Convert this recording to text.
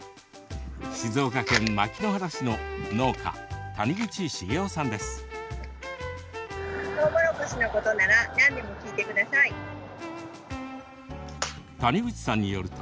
静岡県牧之原市の農家谷口恵世さんです。